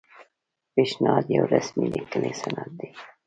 پیشنهاد یو رسمي لیکلی سند دی.